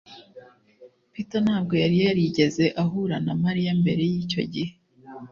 peter ntabwo yari yarigeze ahura na mariya mbere yicyo gihe